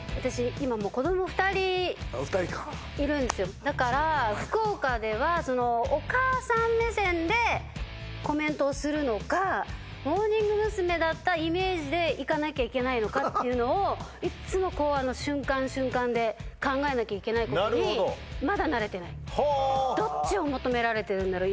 今もう子ども２人いるんですよだから福岡ではそのお母さん目線でコメントをするのかモーニング娘。だったイメージでいかなきゃいけないのかっていうのをいっつもこう瞬間瞬間で考えなきゃいけないことになるほどまだ慣れてないどっちを求められてるんだろう